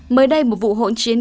mới đây một vụ hỗn chiến